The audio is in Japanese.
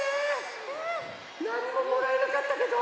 なんにももらえなかったけど。